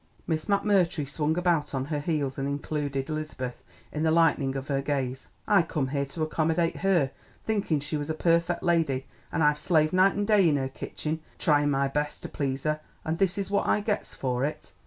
Miss McMurtry swung about on her heels and included Elizabeth in the lightning of her gaze. "I come here to accomydate her, thinkin' she was a perfec' lady, an' I've slaved night an' day in her kitchen a tryin' my best to please her, an' this is what I gets for it!